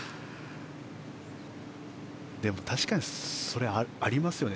でも確かにそれはありますよね。